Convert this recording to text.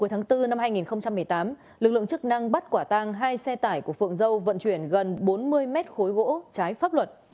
hai xe tải của phượng dâu vận chuyển gần bốn mươi mét khối gỗ trái pháp luật